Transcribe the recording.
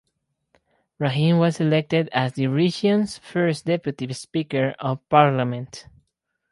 Rahim was elected as the region's first deputy speaker of parliament.